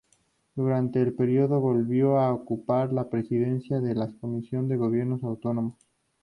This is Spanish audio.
Durante el periodo volvió a ocupar la presidencia de la comisión de gobiernos autónomos.